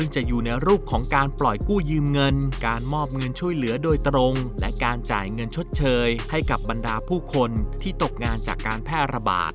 จ่ายเงินชดเชยให้กับบรรดาผู้คนที่ตกงานจากการแพร่ระบาด